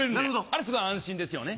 あれすごい安心ですよね。